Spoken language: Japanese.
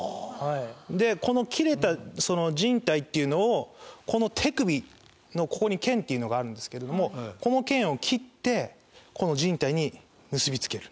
でこの切れた靱帯っていうのをこの手首のここに腱っていうのがあるんですけれどもこの腱を切ってこの靱帯に結びつける。